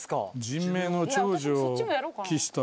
人命の長寿を記した。